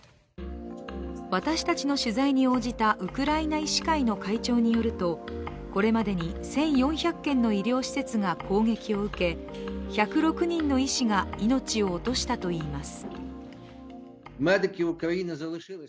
私たちの取材に応じたウクライナ医師会の会長によると、これまでに１４００件の医療施設が攻撃を受け、１０６人の医師が、命を落としたといいます。